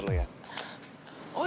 oh iya deket musola tuh